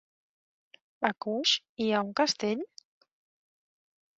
A Coix hi ha un castell?